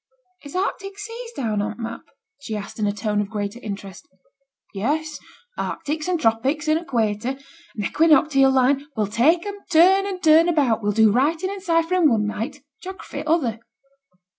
'Is t' Arctic seas down on t' map?' she asked, in a tone of greater interest. 'Yes! Arctics, and tropics, and equator, and equinoctial line; we'll take 'em turn and turn about; we'll do writing and ciphering one night, and geography t' other.'